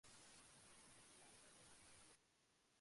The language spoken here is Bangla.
এই বলে পায়ের উপর রাখল হার।